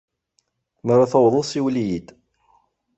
Mi ara tawḍeḍ, siwel-iyi-d.